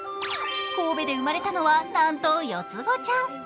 神戸で生まれたのは、なんと４つ子ちゃん。